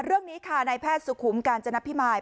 เรื่องนี้ค่ะนายแพทย์สุขุมกาญจนพิมาย